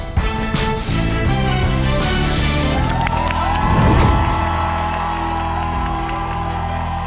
สวัสดีครับ